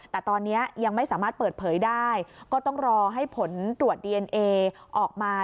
แต่ตอนนี้ยังไม่สามารถเปิดเผยได้ก็ต้องรอให้ผลตรวจดีเอนเอออกมา